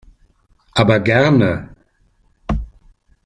Aber gerne!